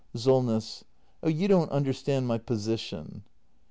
SOLNESS. Oh, you don't understand my position.